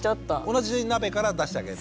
同じ鍋から出してあげる。